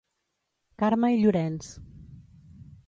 Carme i Llorenç.